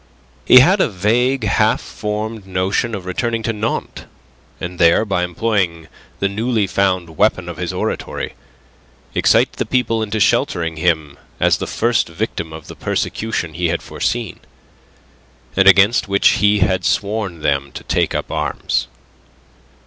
He had a vague, half formed notion of returning to Nantes; and there, by employing the newly found weapon of his oratory, excite the people into sheltering him as the first victim of the persecution he had foreseen, and against which he had sworn them to take up arms.